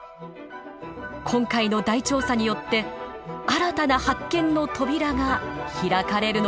今回の大調査によって新たな発見の扉が開かれるのかもしれません。